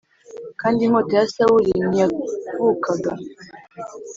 Kandi inkota ya Sawuli ntiyavukaga